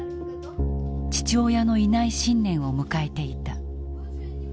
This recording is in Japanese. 父親のいない新年を迎えていた。